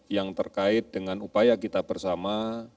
yang terkait dengan upaya kita bersama